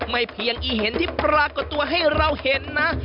ไม่เพียงอีเห็นที่ปรากฏตัวให้เราเห็นนะ